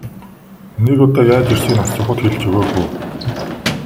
Нэг удаа яаж ирснийг нь асуухад хэлж өгөөгүй.